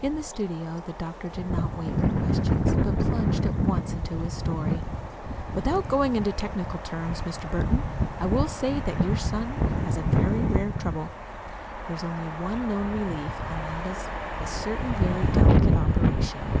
In the studio the doctor did not wait for questions, but plunged at once into his story. "Without going into technical terms, Mr. Burton, I will say that your son has a very rare trouble. There is only one known relief, and that is a certain very delicate operation.